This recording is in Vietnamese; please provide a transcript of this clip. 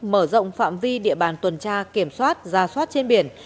mở rộng phạm vi địa bàn tuần tra kiểm soát ra soát trên biển